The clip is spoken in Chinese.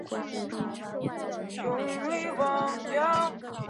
大学校园则在主楼对面有沥青路面和漂白机。